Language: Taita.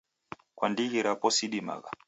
Kwa ndighi rapo sidimagha.